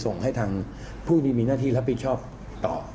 ส่งให้ทางผู้ที่มีหน้าที่รับผิดชอบต่อ